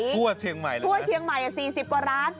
ทั่วเชียงใหม่ทั่วเชียงใหม่สี่สิบกว่าร้าน